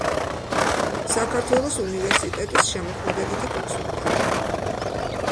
საქართველოს უნივერსიტეტის შემოქმედებითი კონსულტანტი.